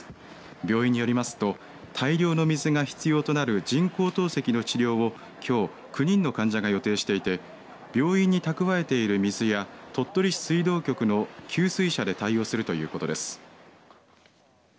病院によりますと大量の水が必要となる人工透析の治療をきょう９人の患者が予定していて病院に蓄えている水や鳥取市水道局の給水車で対応するということです。